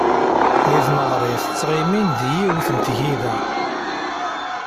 Deg tneɣrit ttɣimin deg yiwet n tgida.